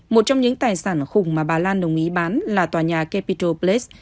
một trong những tài sản khủng mà bà lan đồng ý bán là tòa nhà capital place